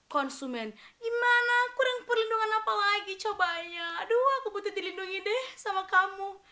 konsumen gimana kurang perlindungan apa lagi cobanya aduh aku butuh dilindungi deh sama kamu